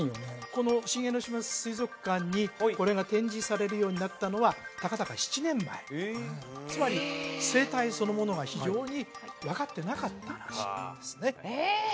この新江ノ島水族館にこれが展示されるようになったのはたかだか７年前つまり生態そのものが非常に分かってなかったらしいんですねええ？